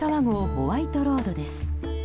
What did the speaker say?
ホワイトロードです。